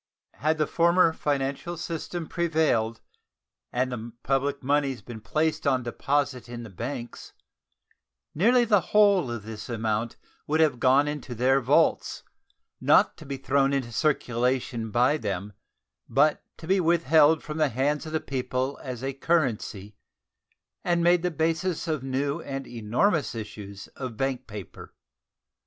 Had the former financial system prevailed and the public moneys been placed on deposit in the banks, nearly the whole of this amount would have gone into their vaults, not to be thrown into circulation by them, but to be withheld from the hands of the people as a currency and made the basis of new and enormous issues of bank paper.